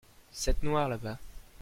cette noire là-bas.